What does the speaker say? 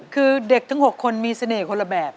คือเด็กทั้ง๖คนมีเสน่ห์คนละแบบ